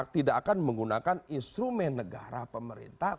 tidak akan menggunakan instrumen negara pemerintah